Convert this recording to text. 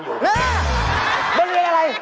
บริญญาอะไร